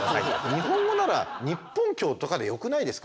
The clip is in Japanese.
日本語なら日放協とかでよくないですか？